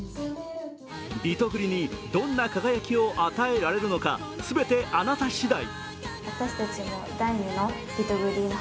リトグリにどんな輝きを与えられるのか、全てあなた次第。